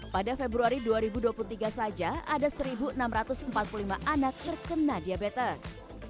pada februari dua ribu dua puluh tiga saja ada satu enam ratus empat puluh lima anak terkena diabetes